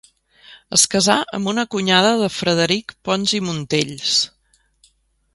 Es casà amb una cunyada de Frederic Pons i Montells.